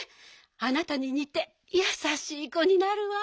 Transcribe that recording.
あなたににてやさしいこになるわ。